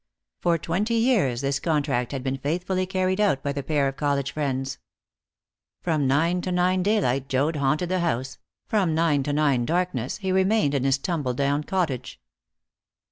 For twenty years this contract had been faithfully carried out by the pair of college friends. From nine to nine daylight Joad haunted the house; from nine to nine darkness he remained in his tumbledown cottage.